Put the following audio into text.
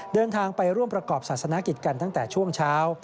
เดินทางไปร่วมประกอบศาสนกิจกันตั้งแต่ช่วงเช้า